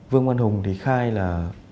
vương văn hùng thì khai là